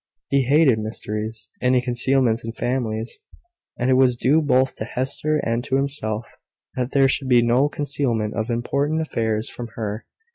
He hated mysteries any concealments in families; and it was due both to Hester and to himself that there should be no concealment of important affairs from her.